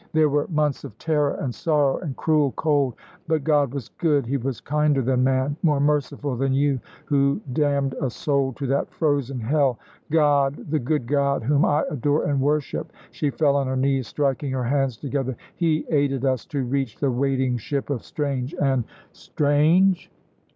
There were months of terror and sorrow and cruel cold. But God was good; He was kinder than man, more merciful than you, who damned a soul to that frozen hell. God the good God, whom I adore and worship," she fell on her knees, striking her hands together "He aided us to reach the waiting ship of Strange, and " "Strange!"